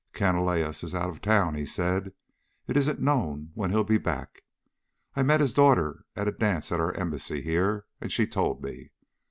"Canalejas is out of town," he said. "It isn't known when he'll be back. I met his daughter at a dance at our Embassy here, and she told me.